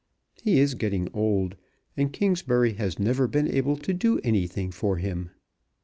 He is getting old, and Kingsbury has never been able to do anything for him.